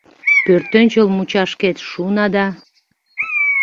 Пӧртӧнчыл мучашкет шуна да